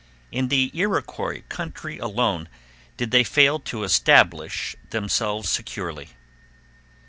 In the Iroquois country alone did they fail to establish themselves securely.